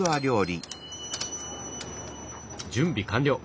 準備完了。